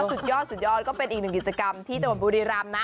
สุดยอดสุดยอดก็เป็นอีกหนึ่งกิจกรรมที่จังหวัดบุรีรำนะ